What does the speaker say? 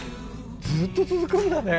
ずっと続くんだね。